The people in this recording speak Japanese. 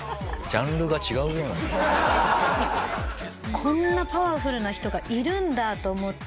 こんなパワフルな人がいるんだと思って。